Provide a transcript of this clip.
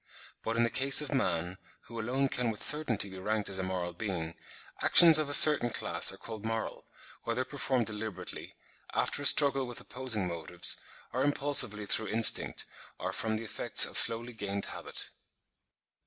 But in the case of man, who alone can with certainty be ranked as a moral being, actions of a certain class are called moral, whether performed deliberately, after a struggle with opposing motives, or impulsively through instinct, or from the effects of slowly gained habit.